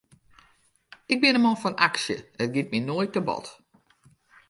Ik bin in man fan aksje, it giet my noait te bot.